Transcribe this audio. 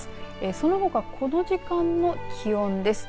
そのほかこの時間の気温です。